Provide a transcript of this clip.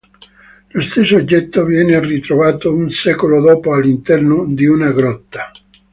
Lo stesso oggetto viene ritrovato un secolo dopo all'interno di una grotta.